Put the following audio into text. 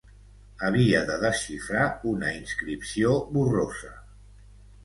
Havia de desxifrar una inscripció borrosa